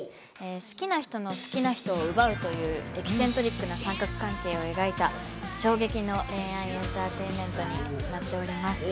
好きな人の好きな人を奪うというエキセントリックな三角関係を描いた衝撃の恋愛エンターテインメントになっております